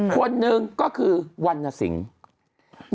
คนหนึ่งก็คือวันนสิงศ์